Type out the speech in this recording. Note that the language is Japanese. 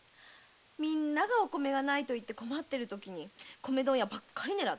みんながお米がないと困っているときに米問屋ばっかり狙って。